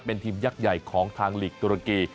เป็นทีมยักษ์ใหญ่ของทางลีกตุรกี